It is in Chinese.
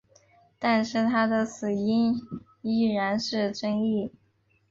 但是他的死因依然是争议。